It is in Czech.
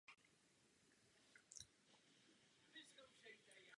Kromě něj je často obsazována v dabingu.